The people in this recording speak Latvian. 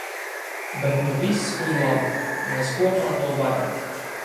Bet nu viss uz labu. Mēs kopā to varam.